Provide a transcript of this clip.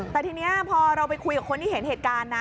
แต่ทีนี้พอเราไปคุยกับคนที่เห็นเหตุการณ์นะ